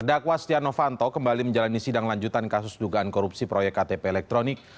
dakwa stiano fanto kembali menjalani sidang lanjutan kasus dugaan korupsi proyek ktp elektronik